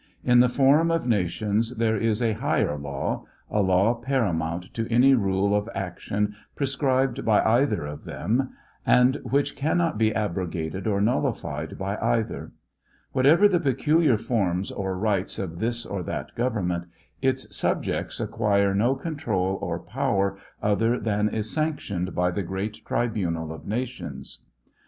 In the forum of nations there is a higher law, a law paramount to any rule of action prescribed by either of them, and which cannot be abrogated or nullified by either. What ever the peculiar forms or rights of this or that government, its subjects acquire no control or power other than is sanctioned by the great tribunal of nations.